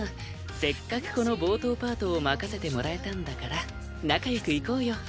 せっかくこの冒頭パートを任せてもらえたんだから仲よくいこうよ